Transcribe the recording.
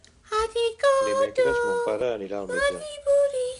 Dimecres mon pare anirà al metge.